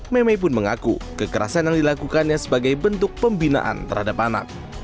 meme pun mengaku kekerasan yang dilakukannya sebagai bentuk pembinaan terhadap anak